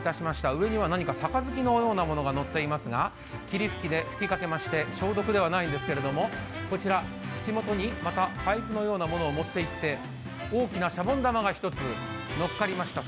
上には何かさかずきのようなものが載っておりますが霧吹きで吹きかけまして、消毒ではないんですけども、こちら、口元にまたパイプのようなものを持っていって大きなシャボン玉が一つ乗っかりました。